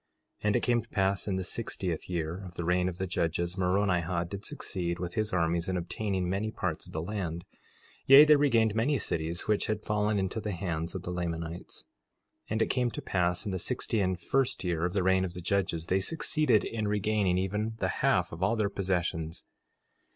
4:9 And it came to pass in the sixtieth year of the reign of the judges, Moronihah did succeed with his armies in obtaining many parts of the land; yea, they regained many cities which had fallen into the hands of the Lamanites. 4:10 And it came to pass in the sixty and first year of the reign of the judges they succeeded in regaining even the half of all their possessions.